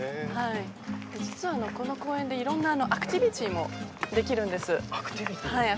実は、この公園でいろんなアクティビティーもできるんです。